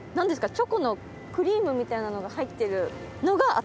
チョコのクリームみたいなのが入ってるのが。